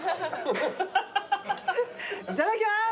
いただきます！